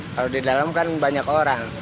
kalau di dalam kan banyak orang